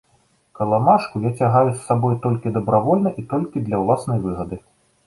Каламажку я цягаю з сабой толькі дабравольна і толькі для ўласнай выгады.